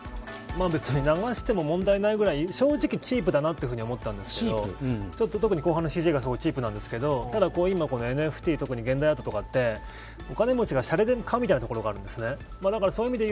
別に流しても問題ないくらい正直チープだと思ったんですけど特に後半のＣＧがチープなんですけどただＮＦＴとか現代アートとかってお金持ちがしゃれで買うみたいな流れがあるんですね。